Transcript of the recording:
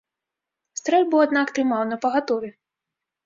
Стрэльбу, аднак, трымаў напагатове.